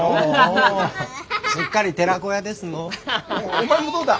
お前もどうだ？